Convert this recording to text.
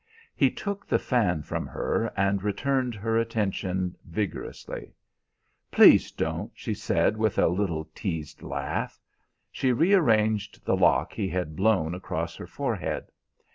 He took the fan from her and returned her attention vigorously. "Please don't!" she said with a little teased laugh. She rearranged the lock he had blown across her forehead.